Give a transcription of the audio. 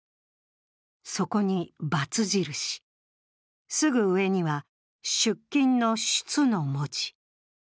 そこに「×」印、すぐ上には出勤の「出」の文字。